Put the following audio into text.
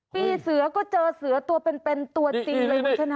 ปีเสือก็เจอเสือตัวเป็นตัวจริงเลยคุณชนะ